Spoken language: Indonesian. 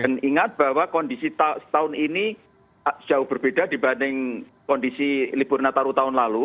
dan ingat bahwa kondisi tahun ini jauh berbeda dibanding kondisi libur nataru tahun lalu